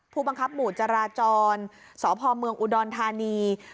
ผู้บังคับหมู่จราจรสพเมืองอุดรธานี